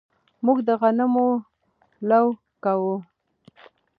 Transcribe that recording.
موږ د غنمو لو کوو